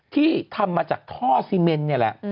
ที่ทำมาจากท่อซีเมนนี่แหละ